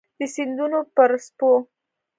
د سیندونو پر څپو